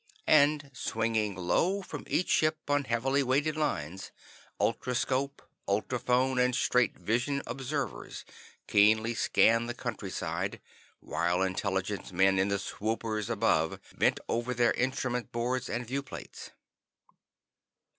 And swinging low from each ship on heavily weighted lines, ultroscope, ultrophone, and straight vision observers keenly scanned the countryside, while intelligence men in the swoopers above bent over their instrument boards and viewplates.